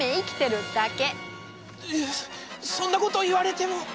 いやそんなこと言われても。